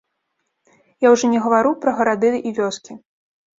Я ўжо не гавару пра гарады і вёскі.